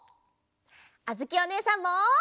あづきおねえさんも。